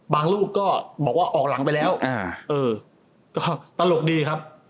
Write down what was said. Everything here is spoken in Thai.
ลูกก็บอกว่าออกหลังไปแล้วก็ตลกดีครับ